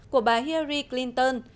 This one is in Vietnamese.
của bà hillary clinton